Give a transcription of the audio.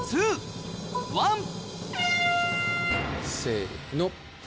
せの。